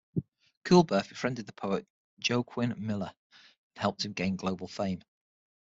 Coolbrith befriended the poet Joaquin Miller and helped him gain global fame.